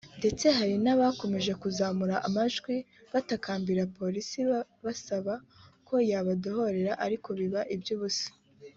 ndetse hari n’abakomeje kuzamura amajwi batakambira Polisi basaba ko yabadohorera ariko biba iby’ubusa